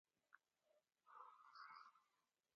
افغانستان د هوا له پلوه له نورو هېوادونو سره اړیکې لري.